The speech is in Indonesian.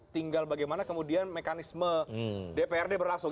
tinggal bagaimana kemudian mekanisme dprd berlangsung